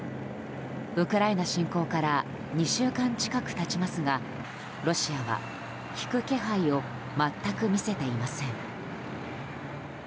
ウクライナ侵攻から２週間近く経ちますがロシアは引く気配を全く見せていません。